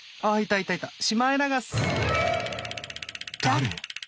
誰？